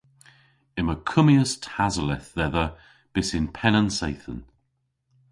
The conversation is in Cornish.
Yma kummyas tasoleth dhedha bys yn penn an seythen.